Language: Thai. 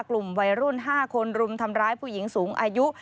กลุ่มวัยรุ่น๕คนรุมทำร้ายผู้หญิงสูงอายุ